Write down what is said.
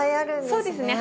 そうですね